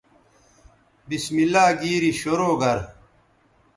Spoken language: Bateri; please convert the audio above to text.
بسم اللہ گیری شرو گر